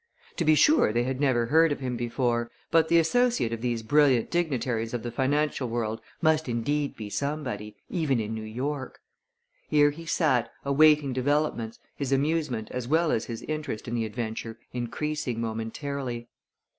To be sure they had never heard of him before, but the associate of these brilliant dignitaries of the financial world must indeed be somebody, even in New York! Here he sat, awaiting developments, his amusement as well as his interest in the adventure increasing momentarily.